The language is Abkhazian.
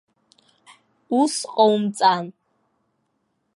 Ус ҟаумҵан!